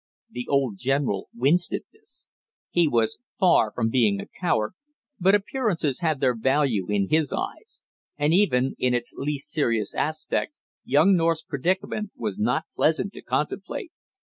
The old general winced at this. He was far from being a coward, but appearances had their value in his eyes; and even, in its least serious aspect, young North's predicament was not pleasant to contemplate.